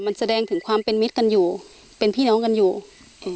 มันแสดงถึงความเป็นมิตรกันอยู่เป็นพี่น้องกันอยู่อืม